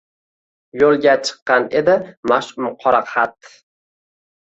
Yo’lga chiqqan edi mash’um qora xat.